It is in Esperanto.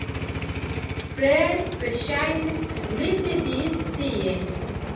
Plej verŝajne li sidis tie